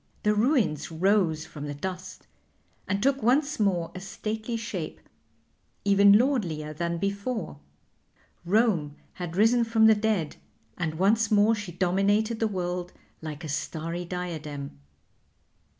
The ruins rose from the dust and took once more a stately shape, even lordlier than before. Rome had risen from the dead, and once more she dominated the world like a starry diadem.